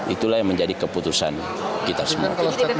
itulah yang menjadi keputusan kita semua